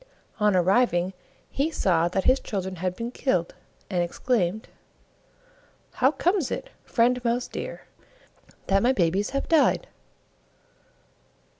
Oh arriving he saw that his children had been killed, and exclaimed, "How comes it, Friend Mouse deer, that my babies have died?"